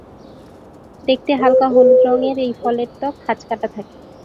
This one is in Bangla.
দেখতে হাল্কা হলুদ রং এর এই ফল এর ত্বক খাঁজ কাটা থাকে।